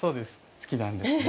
好きなんですね。